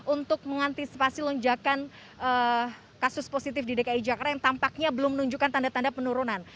untuk mengantisipasi lonjakan kasus positif di dki jakarta yang tampaknya belum menunjukkan tanda tanda penurunan